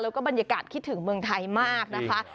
แล้วก็บรรยากาศคิดถึงเมืองไทยมากนะคะ